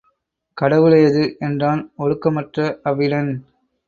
கடவுளேது? என்றான் ஒழுக்கமற்ற அவ்விடன்.